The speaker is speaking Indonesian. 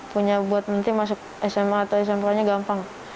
punya buat nanti masuk sma atau smp nya gampang